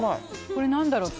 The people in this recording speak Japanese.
これ何だろう？